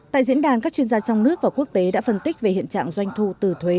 tại diễn đàn các chuyên gia trong nước và quốc tế đã phân tích về hiện trạng doanh thu từ thuế